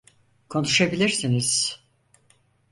Konuşabilirsiniz.